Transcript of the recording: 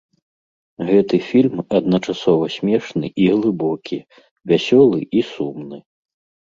Гэты фільм адначасова смешны і глыбокі, вясёлы і сумны.